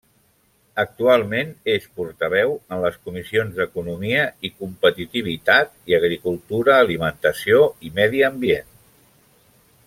Actualment, és portaveu en les comissions d'Economia i Competitivitat i Agricultura, Alimentació i Medi Ambient.